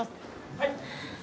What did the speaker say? はい。